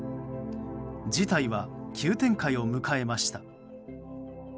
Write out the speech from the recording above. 事態は急展開を迎えました。